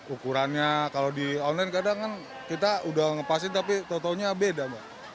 ukurannya kalau di online kadang kan kita udah ngepasin tapi totalnya beda mbak